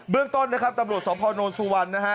เบื้องต้นนะครับตำรวจสมพนธ์โนนสุวรรค์นะฮะ